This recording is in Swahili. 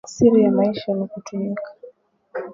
Siri ya maisha ni kutumika